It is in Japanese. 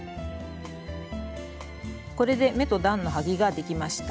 これで目と段のはぎができました。